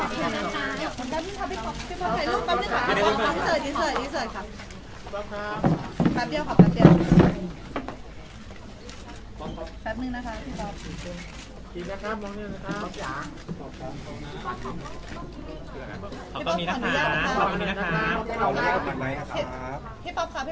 แล้วตอนนี้พี่ป๊อบยังยังมีความคิดที่อยากจะทำงานในวงการก่อนไหมครับ